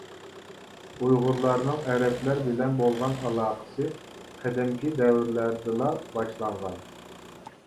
ئۇيغۇرلارنىڭ ئەرەبلەر بىلەن بولغان ئالاقىسى قەدىمكى دەۋرلەردىلا باشلانغان.